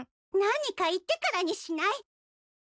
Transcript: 何か言ってからにしない？